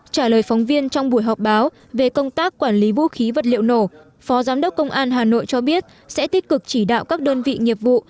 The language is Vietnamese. trả lời phóng viên trong buổi họp báo về công tác quản lý vũ khí vật liệu nổ phó giám đốc công an hà nội cho biết sẽ tích cực chỉ đạo các đơn vị nghiệp vụ